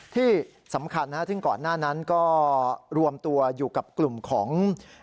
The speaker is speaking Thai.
ที่สำคัญซึ่งก่อนหน้านั้นก็รวมตัวอยู่กับกลุ่มของ